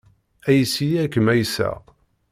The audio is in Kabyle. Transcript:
Ayes-iyi ad kem-ayseɣ.